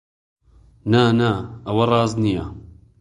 نا، نا! ئەوە ڕاست نییە.